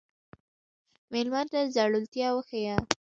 مېلمه ته زړورتیا وښیه.